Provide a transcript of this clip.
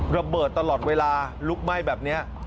ระเบิดตลอดเวลาลุกไหม้แบบนี้